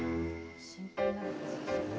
心配になる数ですよね。